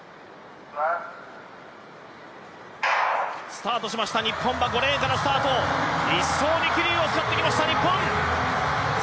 スタートしました日本５レーンのスタート１走に桐生を使ってきた日本。